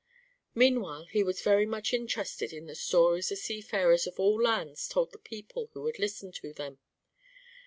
Meanwhile he was very much interested in the stories the seafarers of all lands told to people who would listen to them.